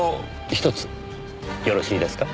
ひとつよろしいですか？